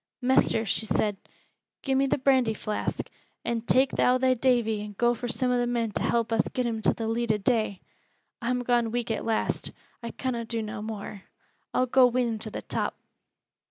"Mester," she said, "gi' me th' brandy flask, and tak' thou thy Davy an' go fur some o' the men to help us get him to th' leet o' day. I'm gone weak at last. I conna do no more. I'll go wi' him to th' top."